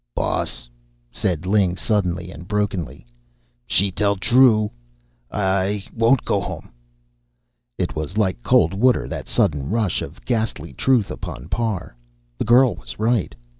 "Boss," said Ling suddenly and brokenly, "she tell true. No. I won't go home." It was like cold water, that sudden rush of ghastly truth upon Parr. The girl was right.